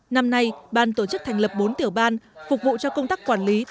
năm nay ban tổ chức thành lập bốn tiểu ban phục vụ cho công tác quản lý